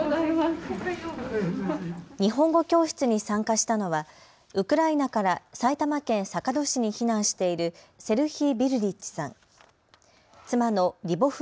日本語教室に参加したのはウクライナから埼玉県坂戸市に避難しているセルヒィ・ヴィルリッチさん、妻のリボフ・